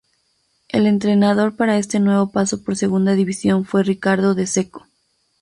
El entrenador para este nuevo paso por segunda división fue Ricardo De Cecco.